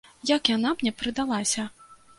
Як яна мне прыдалася?